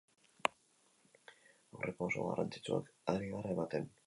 Aurrerapauso garrantzitsuak ari gara ematen.